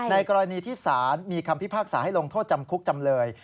กรณีที่สารมีคำพิพากษาให้ลงโทษจำคุกจำเลย